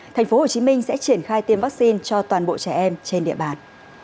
thành phố hồ chí minh sẽ triển khai tiêm vaccine cho toàn bộ trẻ em trên địa bàn